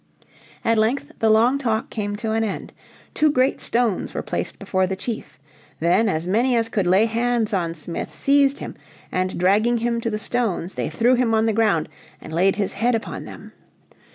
At length the long talk came to an end. Two great stones were placed before the chief. Then as many as could lay hands on Smith seized him, and dragging him to the stones, they threw him on the ground, and laid his head upon them.